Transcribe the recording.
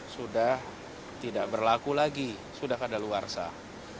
sudah tidak berlaku lagi sudah keadaan luar sah